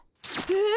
え！